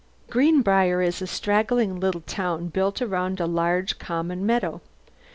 Greenbriar is a straggling little town, built around a large common meadow.